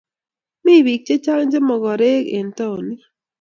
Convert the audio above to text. Mi bik chechang chemogorik eng townit.